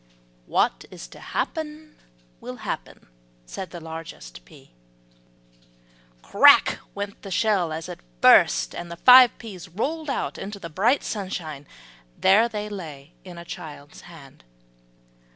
"What is to happen will happen," said the largest pea. "Crack" went the shell as it burst, and the five peas rolled out into the bright sunshine. There they lay in a child's hand.